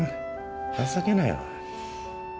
情けないわ。